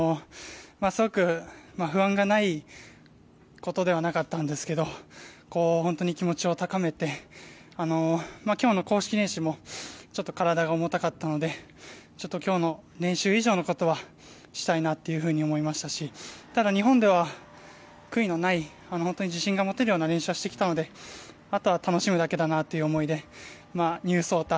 すごく不安がないことではなかったんですけど本当に気持ちを高めて今日の公式練習もちょっと体が重たかったのでちょっと今日の練習以上のことはしたいなと思いましたしただ、日本では悔いのない自信が持てるような練習はしてきたのであとは楽しむだけだなという思いでニュー草太